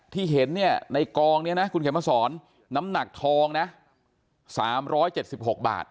ที่เห็นเนี่ยในกองเนี่ยนะคุณเขียนมาสอนน้ำหนักทองนะสามร้อยเจ็ดสิบหกบาท